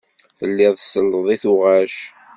Telliḍ tselleḍ i tuɣac.